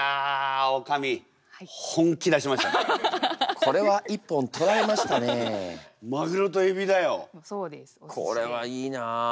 これはいいなあ。